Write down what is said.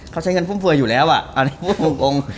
เขาใช้เงินฟื้มอยู่แล้วอยู่แล้ว